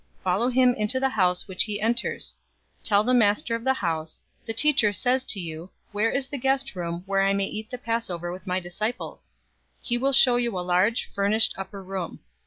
Follow him into the house which he enters. 022:011 Tell the master of the house, 'The Teacher says to you, "Where is the guest room, where I may eat the Passover with my disciples?"' 022:012 He will show you a large, furnished upper room.